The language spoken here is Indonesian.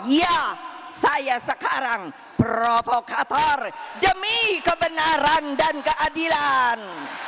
ya saya sekarang provokator demi kebenaran dan keadilan